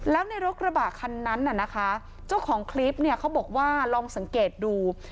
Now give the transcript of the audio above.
แล้วในรถกระบะคันนั้นเจ้าของคลิปเขาบอกว่าลองสังเกตดู